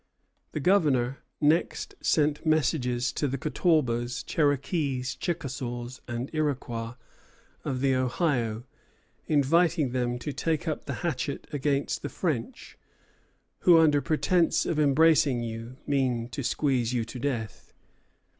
The Governor next sent messengers to the Catawbas, Cherokees, Chickasaws, and Iroquois of the Ohio, inviting them to take up the hatchet against the French, "who, under pretence of embracing you, mean to squeeze you to death."